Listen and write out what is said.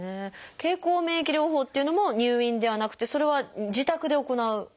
経口免疫療法っていうのも入院ではなくてそれは自宅で行うものなんですか？